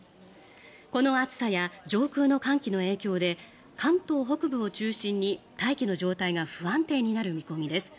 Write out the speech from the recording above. この暑さや上空の寒気の影響で関東北部を中心に大気の状態が不安定になる見込みです。